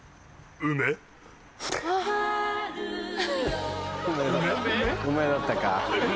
梅だったか。